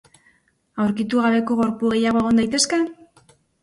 Aurkitu gabeko gorpu gehiago egon daitezke?